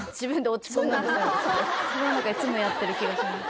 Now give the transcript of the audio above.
そういうのをいつもやってる気がします